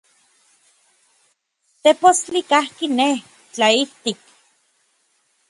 Tepostli kajki nej, tlaijtik.